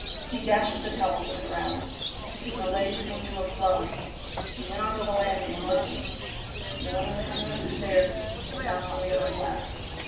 He dashed the towel to the ground. His malaise seemed to have flown. He went on to the landing and listened. No one was coming up the stairs, or down from the other flats.